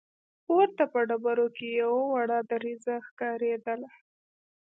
پورته په ډبرو کې يوه وړه دريڅه ښکارېدله.